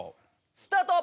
スタート！